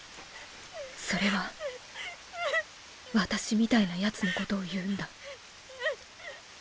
それは私みたいなヤツのことを言うんだ